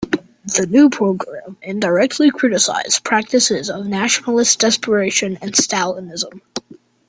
The new program indirectly criticized practices of nationalist desperation and Stalinism.